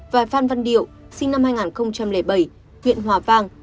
và phan văn điệu sinh năm hai nghìn bảy huyện hòa vang